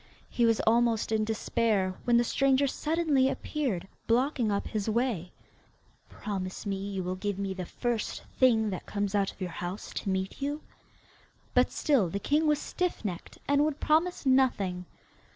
He was almost in despair, when the stranger suddenly appeared, blocking up his way. 'Promise you will give me the first thing that comes out of your house to meet you?' But still the king was stiff necked and would promise nothing.